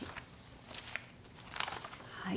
はい。